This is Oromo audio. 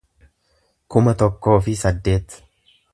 kuma tokkoo fi saddeet